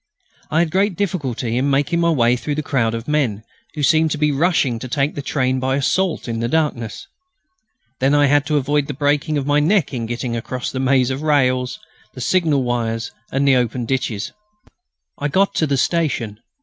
I had great difficulty in making my way through the crowd of men who seemed to be rushing to take the train by assault in the darkness. Then I had to avoid breaking my neck in getting across the maze of rails, the signal wires, and the open ditches. I got to the station.